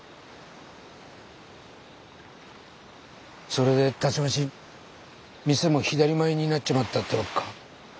それでたちまち店も左前になっちまったって訳か。